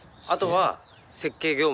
あとは。